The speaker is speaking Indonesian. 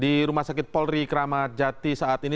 di rumah sakit polri kramajati saat ini